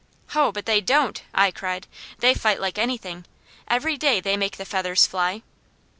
"Ho but they don't!" I cried. "They fight like anything! Every day they make the feathers fly!"